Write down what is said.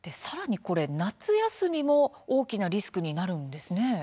夏休みも大きなリスクになるんですね。